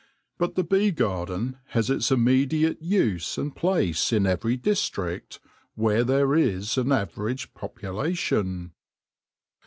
But the bee garden has its immediate use and place in every district where there is an average population.